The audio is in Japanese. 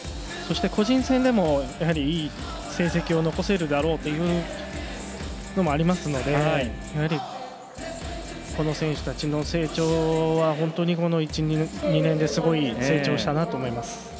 そして個人戦でもいい成績を残せるだろうというのもありますのでやはりこの選手たちの成長は本当にこの１２年ですごい、成長したなと思います。